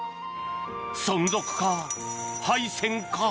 存続か廃線か。